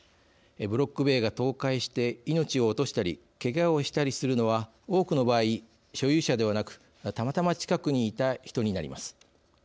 ブロック塀が倒壊して命を落としたりけがをしたりするのは多くの場合、所有者ではなくたまたま近くにいた人になります。